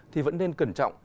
thì vẫn nên cẩn trọng